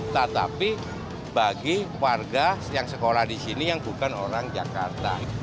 tetapi bagi warga yang sekolah di sini yang bukan orang jakarta